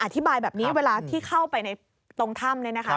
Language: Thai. อธิบายแบบนี้เวลาที่เข้าไปในตรงถ้ำ